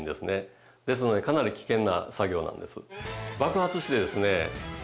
ですのでかなり危険な作業なんです。